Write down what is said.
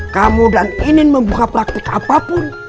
kamu dan inin membuka praktek apapun